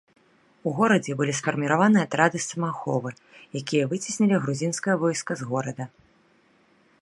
У горадзе былі сфарміраваны атрады самааховы, якія выцеснілі грузінскае войска з горада.